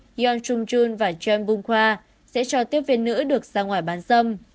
hyun sung joon và jeon bung hwa sẽ cho tiếp viên nữ được ra ngoài bán dâm